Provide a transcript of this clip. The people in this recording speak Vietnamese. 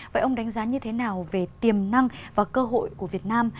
vậy ông đánh giá như thế nào về tiềm năng và cơ hội của việt nam